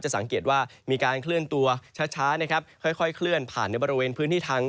สังเกตว่ามีการเคลื่อนตัวช้านะครับค่อยเคลื่อนผ่านในบริเวณพื้นที่ทาง